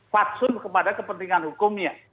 faksun kepada kepentingan hukumnya